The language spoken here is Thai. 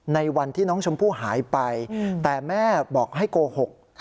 ในวันที่น้องชมพู่หายไปแต่แม่บอกให้โกหก